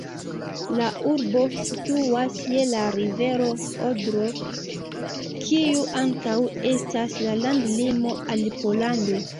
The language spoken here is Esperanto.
La urbo situas je la rivero Odro, kiu ankaŭ estas la landlimo al Pollando.